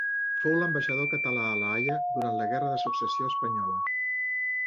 Fou l'ambaixador català a la Haia durant la Guerra de Successió Espanyola.